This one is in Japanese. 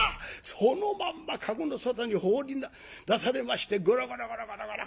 そのまんま駕籠の外に放り出されましてゴロゴロゴロゴロゴロ！